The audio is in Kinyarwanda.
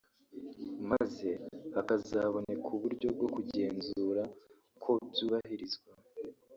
maze hakazaboneka uburyo bwo kugenzura ko byubahirizwa